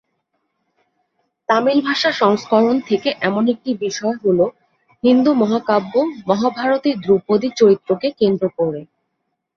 তামিল ভাষা সংস্করণ থেকে এমন একটি বিষয় হল হিন্দু মহাকাব্য "মহাভারতের" দ্রৌপদী চরিত্রকে কেন্দ্র করে।